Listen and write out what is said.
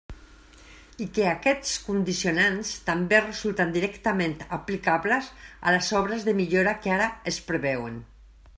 I que aquests condicionants també resulten directament aplicables a les obres de millora que ara es preveuen.